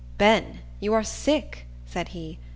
"Ben, you are sick," said he.